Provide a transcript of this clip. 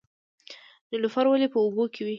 نیلوفر ولې په اوبو کې وي؟